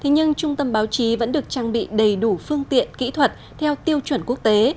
nhưng trung tâm báo chí vẫn được trang bị đầy đủ phương tiện kỹ thuật theo tiêu chuẩn quốc tế